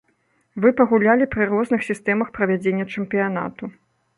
Вы пагулялі пры розных сістэмах правядзення чэмпіянату.